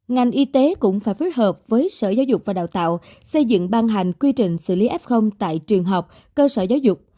ngành y tế cũng phải phối hợp với sở giáo dục và đào tạo xây dựng ban hành quy trình xử lý f tại trường học cơ sở giáo dục